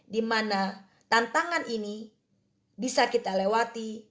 di mana tantangan ini bisa kita lewati